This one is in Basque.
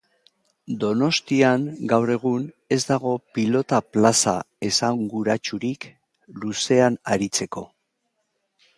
Donostian gaur egun ez dago pilota plaza esanguratsurik luzean aritzeko.